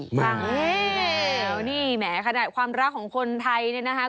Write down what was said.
แหม่นี้ขนาดความรักของคนไทยเนี้ยนะฮะ